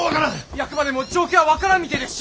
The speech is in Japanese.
役場でも状況は分からんみてえですし！